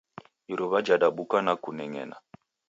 Iruwa jadabuka na kuneng'ena.